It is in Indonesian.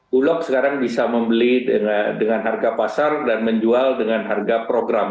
bulog sekarang bisa membeli dengan harga pasar dan menjual dengan harga program